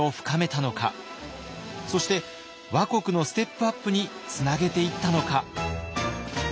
そして倭国のステップアップにつなげていったのか。